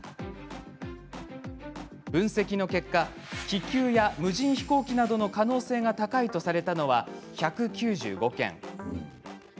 分析の結果気球や無人飛行機などの可能性が高いとされたのは１９５件。